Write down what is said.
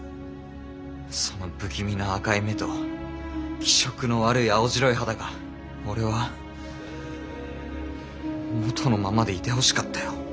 その不気味な赤い目と気色の悪い青白い肌が俺は元のままでいてほしかったよ。